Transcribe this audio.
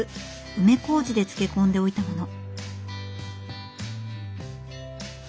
梅こうじで漬け込んでおいたもの。